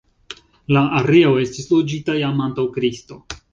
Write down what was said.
La areo estis loĝita jam antaŭ Kristo.